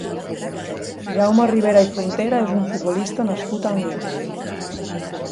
Jaume Ribera i Frontera és un futbolista nascut a Anglès.